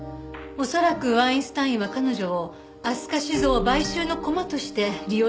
恐らくワインスタインは彼女を飛鳥酒造買収の駒として利用しようとしてるんでしょう。